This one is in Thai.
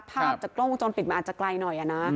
ภาพจะกล้องจนปิดมาอาจจะไกลหน่อยนะ